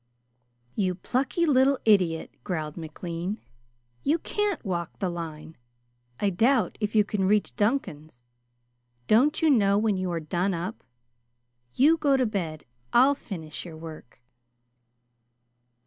"You plucky little idiot," growled McLean. "You can't walk the line! I doubt if you can reach Duncan's. Don't you know when you are done up? You go to bed; I'll finish your work."